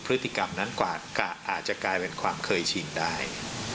พฤติกรรมนั้นกว่าอาจจะกลายเป็นความเคยชินได้